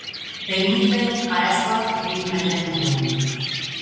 Behinik behin, arazoak ekiditu nahi genituen.